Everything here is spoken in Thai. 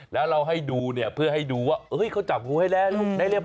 แล้วเราให้ดูเพื่อให้ดูว่าเฮ้ยเขาจับงูให้แลลูกได้เรียบร้อย